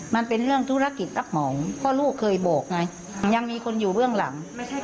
มันเป็นเรื่องธุรกิจรับเหมาเพราะลูกเคยบอกไงยังมีคนอยู่เบื้องหลัง